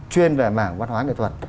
chuyên về mảng văn hóa nghệ thuật